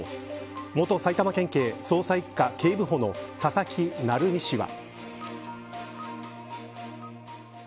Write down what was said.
元埼玉県警捜査一課警部補の佐々木成三氏は。